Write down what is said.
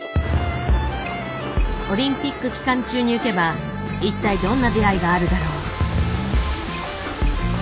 オリンピック期間中にゆけば一体どんな出会いがあるだろう。